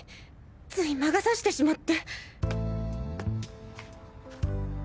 つい魔が差してしまって。